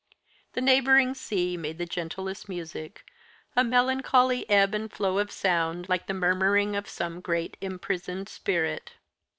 The neighbouring sea made the gentlest music a melancholy ebb and flow of sound, like the murmuring of some great imprisoned spirit.